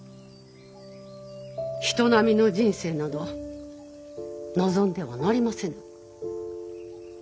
人並みの人生など望んではなりませぬ。